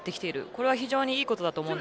これは非常にいいことです。